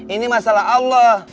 ini masalah allah